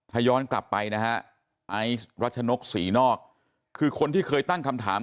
ถ้าย้อนกลับไปนะฮะไอซ์รัชนกศรีนอกคือคนที่เคยตั้งคำถาม